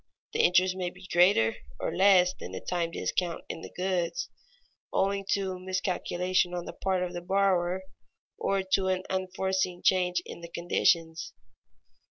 The interest may be greater or less than the time discount in the goods, owing to miscalculation on the part of the borrower or to an unforeseen change in the conditions.